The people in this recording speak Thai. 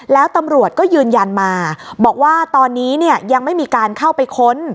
แล้วตำรวจก็ยืนยันมาบอกว่าตอนนี้เนี่ยยังไม่มีการเข้าไปค้น